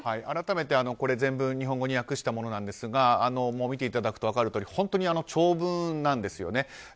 改めて、全文日本語に訳したものですが見ていただくと分かるとおり本当に長文なんですよね。